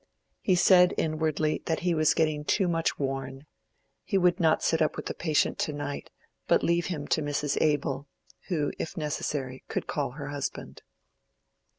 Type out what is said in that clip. He said inwardly that he was getting too much worn; he would not sit up with the patient to night, but leave him to Mrs. Abel, who, if necessary, could call her husband.